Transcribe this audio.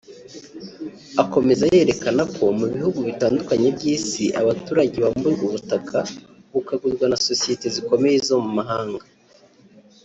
Akomeza yerekana ko mu bihugu bitandukanye by’isi abaturage bamburwa ubutaka bukagurwa na sosiyete zikomeye zo mu mahanga